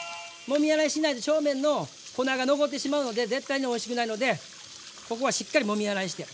もみ洗いしないと表面の粉が残ってしまうので絶対においしくないのでここはしっかりもみ洗いして。